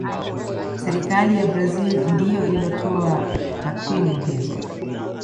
serikali ya brazil ndiyo iliyotoa takwimu hizo